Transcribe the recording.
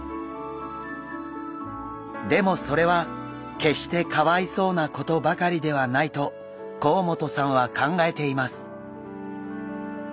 でもそれは決してかわいそうなことばかりではないと甲本さんは考えています。